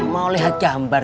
mau lihat gambar